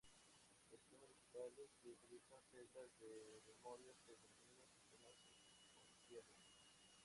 Los sistemas digitales que utilizan celdas de memoria se denominan sistemas secuenciales.